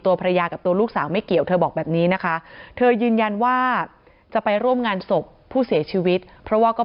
ตัวภรรยากับตัวลูกสาวไม่เกี่ยวเธอบอกแบบนี้นะคะ